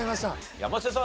山瀬さん